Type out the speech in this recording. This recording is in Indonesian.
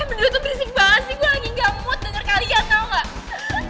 eh bener dua berisik banget sih gue lagi gak mood denger kalian tau gak